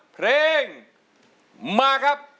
เพลงมาครับ